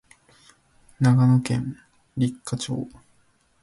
長野県立科町